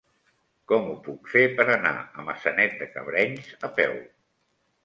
Com ho puc fer per anar a Maçanet de Cabrenys a peu?